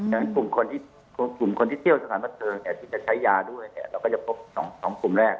ฉะนั้นกลุ่มคนที่เที่ยวสถานบันเทิงที่จะใช้ยาด้วยเราก็จะพบ๒กลุ่มแรก